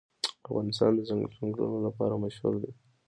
افغانستان د چنګلونه لپاره مشهور دی.